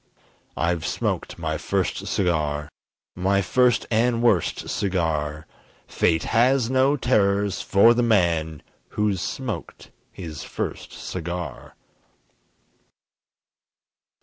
I've smoked my first cigar! My first and worst cigar! Fate has no terrors for the man Who's smoked his first cigar!